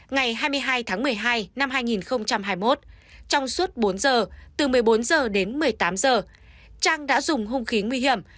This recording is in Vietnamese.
ngày hai mươi hai tháng một mươi hai năm hai nghìn hai mươi một trong suốt bốn giờ từ một mươi bốn giờ đến một mươi tám giờ trang đã dùng hung khí nguy hiểm